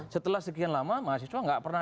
setelah sekian lama mahasiswa nggak pernah